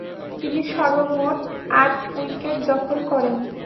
তিনি সর্বমোট আট উইকেট দখল করেন।